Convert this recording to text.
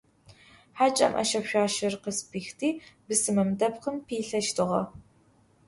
Хьакӏэм ӏэшэ-шъуашэр къызпихти, бысымым дэпкъым пилъэщтыгъэ.